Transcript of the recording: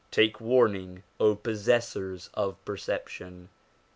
Take warning, possessors of perception